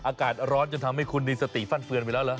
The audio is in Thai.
อากาศร้อนจนทำให้คุณมีสติฟั่นเฟือนไปแล้วเหรอ